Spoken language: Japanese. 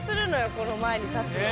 この前に立つと。